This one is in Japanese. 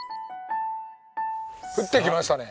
降ってきましたね。